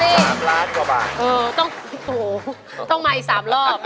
เออต้องมาอีกสามรอบ